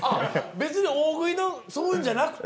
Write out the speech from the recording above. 別に大食いのそういうんじゃなくて。